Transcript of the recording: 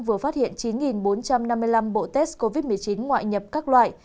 vừa phát hiện chín bốn trăm năm mươi năm bộ test covid một mươi chín ngoại nhập các loại